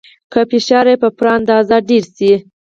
که فشار په پوره اندازه ډیر شي.